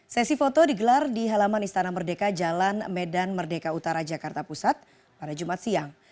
sesi foto digelar di halaman istana merdeka jalan medan merdeka utara jakarta pusat pada jumat siang